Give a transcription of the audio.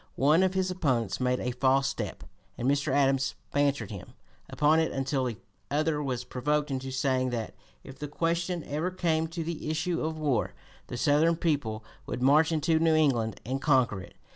One of his opponents made a false step, and Mr. Adams "bantered him" upon it until the other was provoked into saying that, "if the question ever came to the issue of war, the Southern people would march into New England and conquer it."